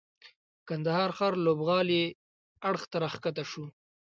کندهار ښار لوبغالي اړخ ته راکښته سولو.